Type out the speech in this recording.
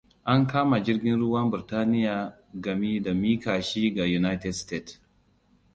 An kama jirgin ruwa Burtaniya gami da miƙa shi ga United State.